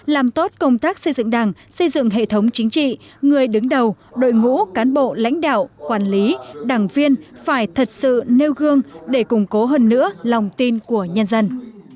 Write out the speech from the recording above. làm tốt công tác xây dựng đảng xây dựng hệ thống chính trị người đứng đầu đội ngũ cán bộ lãnh đạo quản lý đảng viên phải thật sự nêu gương để củng cố hơn nữa lòng tin của nhân dân